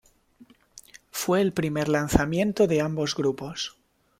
Fue el primer lanzamiento de ambos grupos.